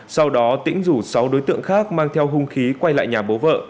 sau đó tỉnh rủ sáu đối tượng khác mang theo hung khí quay lại nhà bố vợ